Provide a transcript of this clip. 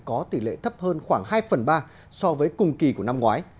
có tỷ lệ thấp hơn khoảng hai phần ba so với cùng kỳ của năm ngoái